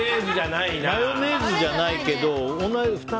マヨネーズじゃないな。